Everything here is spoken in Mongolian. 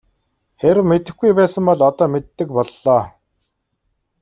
Хэрэв мэдэхгүй байсан бол одоо мэддэг боллоо.